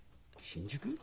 新宿？